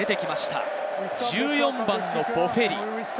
１４番のボフェリ。